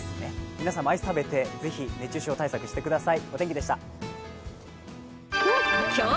皆さんもアイスを食べてぜひ熱中症対策してください。